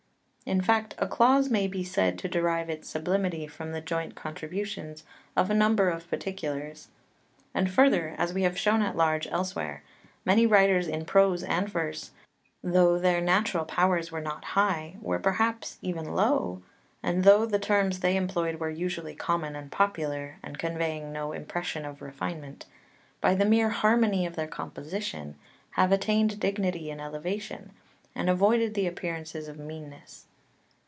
2 In fact, a clause may be said to derive its sublimity from the joint contributions of a number of particulars. And further (as we have shown at large elsewhere), many writers in prose and verse, though their natural powers were not high, were perhaps even low, and though the terms they employed were usually common and popular and conveying no impression of refinement, by the mere harmony of their composition have attained dignity and elevation, and avoided the appearance of meanness.